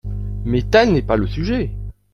Mais tel n’est pas le sujet.